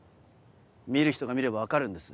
見る人が見れば分かるんです